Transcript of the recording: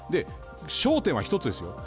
焦点は１つです。